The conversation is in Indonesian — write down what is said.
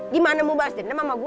gimana mau bahas dendam sama gue